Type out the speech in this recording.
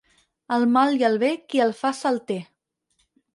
El mal i el bé, qui el fa se'l té.